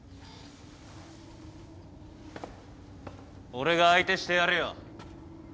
俺が相手してやるよ。